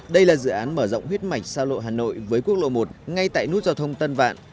đây là dự án mở rộng huyết mạch xa lộ hà nội với quốc lộ một ngay tại nút giao thông tân vạn